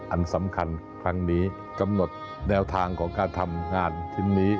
อันสำคัญครั้งนี้กำหนดแนวทางของการทำงานชิ้นนี้